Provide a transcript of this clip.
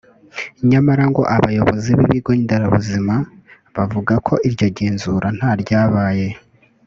nyamara ngo ‘abayobozi b’ibigo nderabuzima bavuga ko iryo genzura nta ryabaye